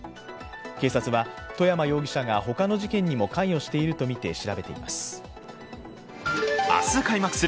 警察は外山容疑者がほかの事件にも関与しているとみて調べています。